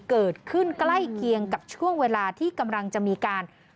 เกิดขึ้นใกล้เคียงกับช่วงเวลาที่กำลังจะมีการ